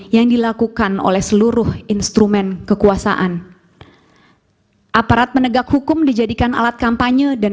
yang dilakukan oleh seluruh instrumen kekuasaan aparat penegak hukum dijadikan alat kampanye dan